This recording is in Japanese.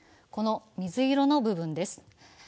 この水色の部分です。